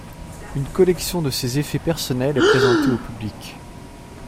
Une collection de ses effets personnels est présentée au public.